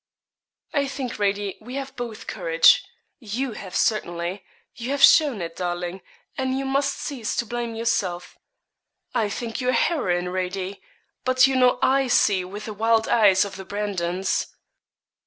'I think, Radie, we have both courage you have certainly; you have shown it, darling, and you must cease to blame yourself; I think you a heroine, Radie; but you know I see with the wild eyes of the Brandons.'